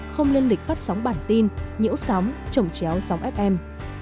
không lên lịch phát sóng bản tin nhiễu sóng trồng chéo sóng fm